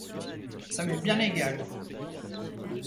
Ça m'est bien égal.